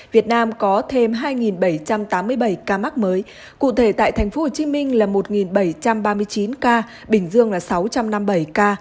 việt nam có thêm hai bảy trăm tám mươi bảy ca mắc mới cụ thể tại tp hcm là một bảy trăm ba mươi chín ca bình dương là sáu trăm năm mươi bảy ca